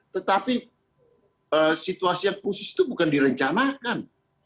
tetapi situasi yang khusus itu bukan direncanakan